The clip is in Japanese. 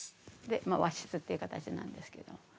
和室っていうかたちなんですけど。